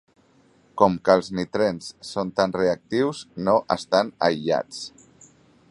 Com que els nitrens són tan reactius, no estan aïllats.